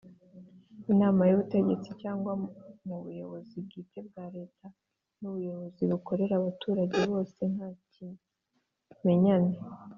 Inama y’ubutegetsi cyangwa mu buyobozi bwite bwa Leta n’Ubuyobozi bukorera abaturage bose ntakimenyane.